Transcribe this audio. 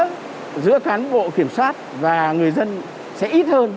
cái thứ hai nữa là tiếp xúc giữa cán bộ kiểm soát và người dân sẽ ít hơn